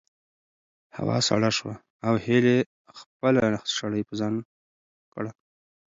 هوا سړه شوه او هیلې خپله شړۍ په ځان کړه.